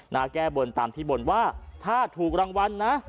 ้าแก้บนตามที่บนว่าถ้าถูกรางวัลนะ